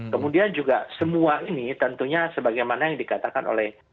kemudian juga semua ini tentunya sebagaimana yang dikatakan oleh